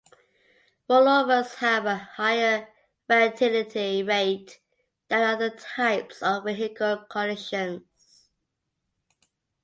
Rollovers have a higher fatality rate than other types of vehicle collisions.